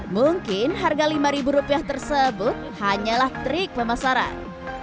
mungkin harga lima rupiah tersebut hanyalah trik pemasaran